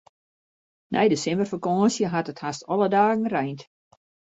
Nei de simmerfakânsje hat it hast alle dagen reind.